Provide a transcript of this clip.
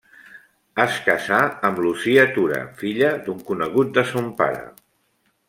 Es casà amb Lucia Tura, filla d'un conegut de son pare.